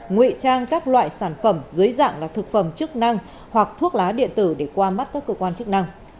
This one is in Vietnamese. nguy trang các loại sản phẩm dưới dạng là thực phẩm chức năng hoặc thuốc lá điện tử để qua mắt các cơ quan chức năng